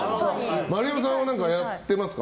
丸山さんは何かやってますか？